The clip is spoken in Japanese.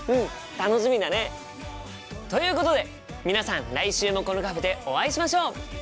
楽しみだね！ということで皆さん来週もこのカフェでお会いしましょう！